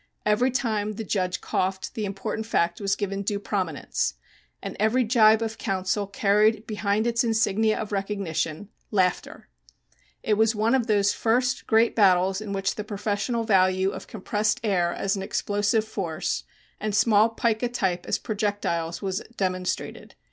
Every time the judge coughed the important fact was given due prominence. And every gibe of counsel carried behind it its insignia of recognition It was one of those first great battles in which the professional value of compressed air as an explosive force and small pica type as projectiles was demonstrated.